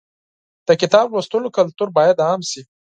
د کتاب لوستلو کلتور باید عام شي.